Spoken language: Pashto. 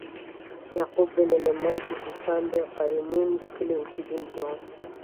یعقوب بن اللیث د سیستان د قرنین د کلي اوسیدونکی و.